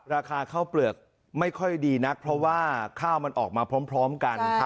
ราคาข้าวเปลือกไม่ค่อยดีนักเพราะว่าข้าวมันออกมาพร้อมกัน